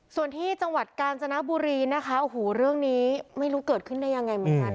ส่วนที่จังหวัดกาญจนบุรีนะคะโอ้โหเรื่องนี้ไม่รู้เกิดขึ้นได้ยังไงเหมือนกัน